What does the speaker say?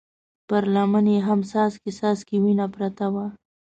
پر لمن يې هم څاڅکی څاڅکی وينه پرته وه.